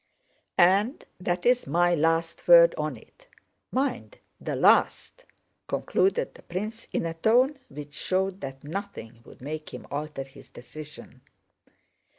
And that's my last word on it. Mind, the last..." concluded the prince, in a tone which showed that nothing would make him alter his decision.